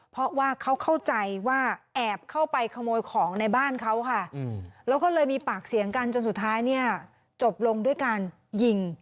เพราะว่าเขาเข้าใจว่าแอบเข้าไปขโมยของในบ้านเขาค่ะแล้วก็เลยมีปากเสียงกันจนสุดท้ายเนี่ยจบลงด้วยการยิง